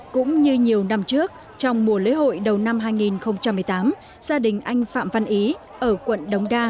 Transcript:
cũng như nhiều năm trước trong mùa lễ hội đầu năm hai nghìn một mươi tám gia đình anh phạm văn ý ở quận đống đa